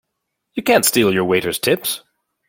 You can't steal your waiters' tips!